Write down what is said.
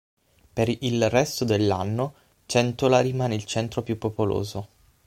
Per il resto dell'anno Centola rimane il centro più popoloso.